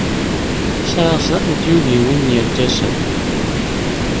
Sɛiɣ snat n tyugiwin n yirkasen.